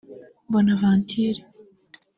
Bonaventure